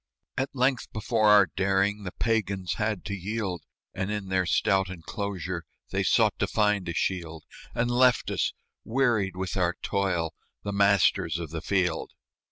At length before our daring The Pagans had to yield, And in their stout enclosure They sought to find a shield, And left us, wearied with our toil, The masters of the field.